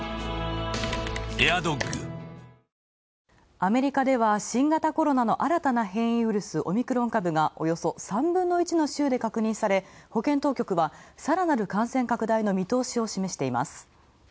アメリカでは新型コロナの新たな変異ウイルス、オミクロン株が、およそ３分の１の州で確認され保険当局は更なる感染拡大の見通しを示しています。